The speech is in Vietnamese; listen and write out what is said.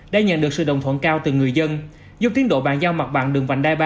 đã nhận được sự đồng thuận cao từ người dân giúp tiến độ bàn giao mặt bằng đường vành đai ba